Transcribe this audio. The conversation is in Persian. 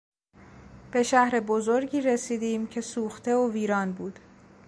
به شهر بزرگی رسیدیم که سوخته و ویران بود.